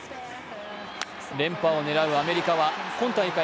連覇を狙うアメリカは今大会